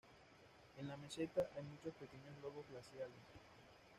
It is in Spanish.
En la meseta hay muchos pequeños lagos glaciales.